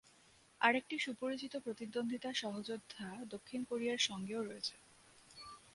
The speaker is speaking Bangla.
আরেকটি সুপরিচিত প্রতিদ্বন্দ্বিতা সহযোদ্ধা দক্ষিণ কোরিয়ার সঙ্গেও রয়েছে।